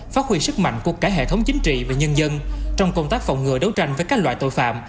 phát huy sức mạnh của cả hệ thống chính trị và nhân dân trong công tác phòng ngừa đấu tranh với các loại tội phạm